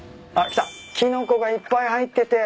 キノコがいっぱい入ってて。